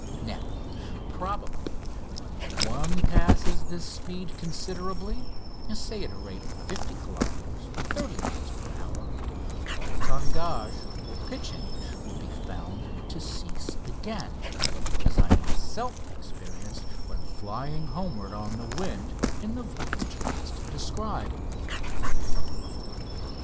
Now, probably, when one passes this speed considerably say at the rate of 50 kilometres (30 miles) per hour all tangage or pitching will be found to cease again, as I myself experienced when flying homeward on the wind in the voyage last described.